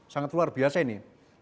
sangat luar biasa ini